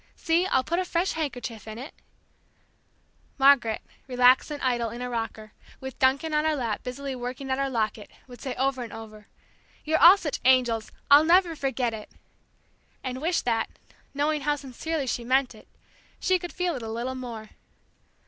See, I'll put a fresh handkerchief in it " Margaret, relaxed and idle, in a rocker, with Duncan in her lap busily working at her locket, would say over and over: "You're all such angels, I'll never forget it!" and wish that, knowing how sincerely she meant it, she could feel it a little more.